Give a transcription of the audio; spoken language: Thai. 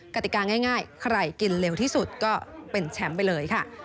กติกาง่ายใครกินเร็วที่สุดก็เป็นแชมป์ไปเลยค่ะ